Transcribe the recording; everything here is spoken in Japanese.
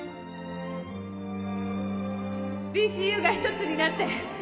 ＤＣＵ が一つになって